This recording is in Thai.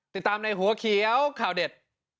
ติดตามในหัวเขียวข่าวเด็ด